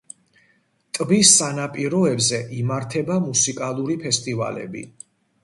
ტბის სანაპიროებზე იმართება მუსიკალური ფესტივალები.